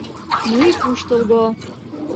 — Ну и куштылго...